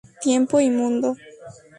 Tiempo y mundo.